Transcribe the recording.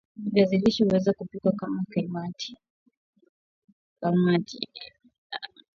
Viazi lishe huweza kupikwa kama kalmati